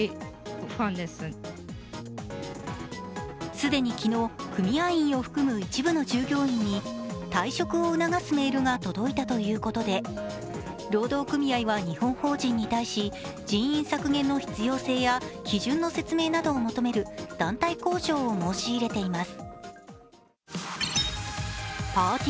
既に昨日、組合員を含む一部の従業員に退職を促すメールが届いたということで労働組合は日本法人に対し、人員削減の必要性や基準の説明などを求める団体交渉を申し入れています。